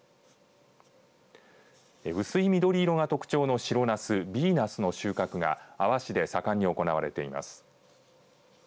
薄い緑色が特徴の白ナス美ナスの収穫が阿波市で盛んに行われています。